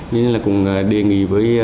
nên là cũng đề nghị với